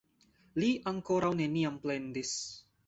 Li ankoraŭ neniam plendis.